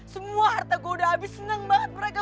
semua harta gue udah habis seneng banget mereka